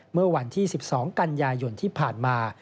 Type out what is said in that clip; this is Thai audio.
เมื่อวันที่๑๒กันยายนที่ผ่านมา